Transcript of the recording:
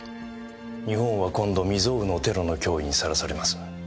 日本は今度未曾有のテロの脅威にさらされます。